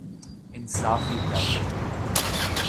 انصافی ٹائگر